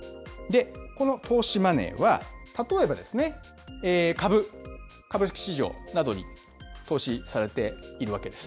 この投資マネーは、例えば株、株式市場などに投資されているわけです。